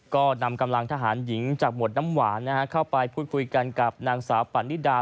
ก็นำกำลังทหารหญิงจากหมวดน้ำหวานเข้าไปพูดคุยกันกับนางสาวปันนิดา